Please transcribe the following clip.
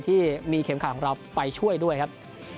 ที่มีเข็มขาดของเราไปช่วยด้วยครับ